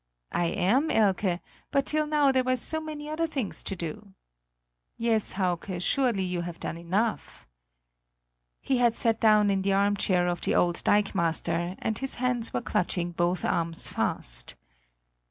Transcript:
"I am, Elke; but till now there were so many other things to do." "Yes, Hauke; surely, you have done enough." He had sat down in the armchair of the old dikemaster, and his hands were clutching both arms fast.